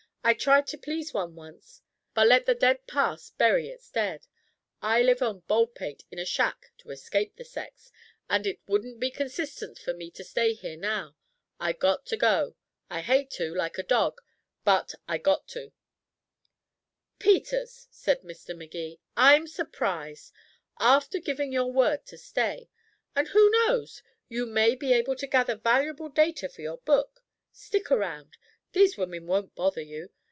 I tried to please one once but let the dead past bury its dead. I live on Baldpate in a shack to escape the sex, and it wouldn't be consistent for me to stay here now. I got to go. I hate to, like a dog, but I got to." "Peters," said Mr. Magee, "I'm surprised. After giving your word to stay! And who knows you may be able to gather valuable data for your book. Stick around. These women won't bother you.